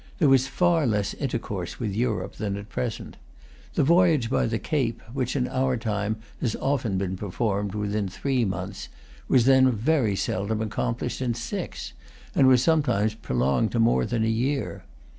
There was far less intercourse with Europe than at present. The voyage by the Cape, which in our time has often been performed within three months, was then very seldom accomplished in six, and was sometimes protracted to more than a year.